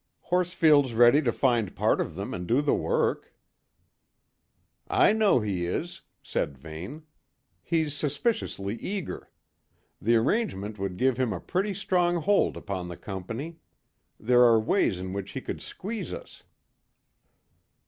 "Horsfield's ready to find part of them and do the work." "I know he is," said Vane. "He's suspiciously eager. The arrangement would give him a pretty strong hold upon the company; there are ways in which he could squeeze us."